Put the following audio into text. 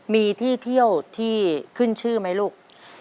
มีที่เที่ยวที่ขึ้นชื่อไหมลูก